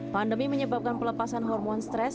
pandemi menyebabkan pelepasan hormon stres